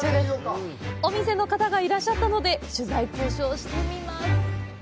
お店の方がいらっしゃったので取材交渉してみます。